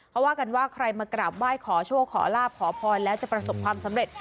เขาว่ากันว่าใครมากราบไหว้ขอโชคขอลาบขอพรแล้วจะประสบความสำเร็จ